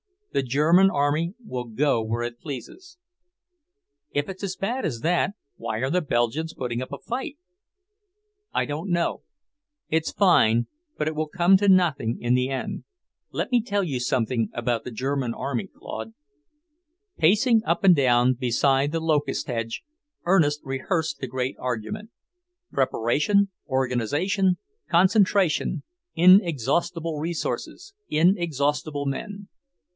The German army will go where it pleases." "If it's as bad as that, why are the Belgians putting up a fight?" "I don't know. It's fine, but it will come to nothing in the end. Let me tell you something about the German army, Claude." Pacing up and down beside the locust hedge, Ernest rehearsed the great argument; preparation, organization, concentration, inexhaustible resources, inexhaustible men.